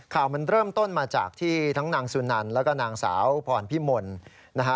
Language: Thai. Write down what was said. ข่าวมันเริ่มต้นมาจากที่ทั้งนางสุนันแล้วก็นางสาวพรพิมลนะฮะ